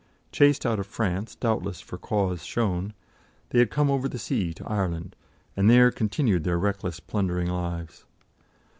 Chased out of France, doubtless for cause shown, they had come over the sea to Ireland, and there continued their reckless plundering lives.